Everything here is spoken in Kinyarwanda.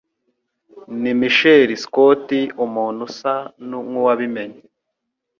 ni Michel Scott umuntu usa nkuwabimenye